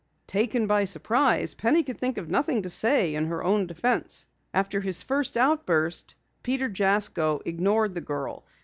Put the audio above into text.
Taken by surprise, Penny could think of nothing to say in her own defense. After his first outburst, Peter Jasko ignored the girl.